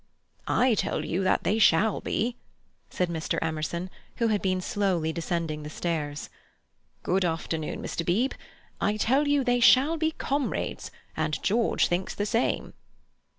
"I tell you that they shall be," said Mr. Emerson, who had been slowly descending the stairs. "Good afternoon, Mr. Beebe. I tell you they shall be comrades, and George thinks the same."